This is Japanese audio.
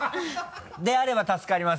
であれば助かります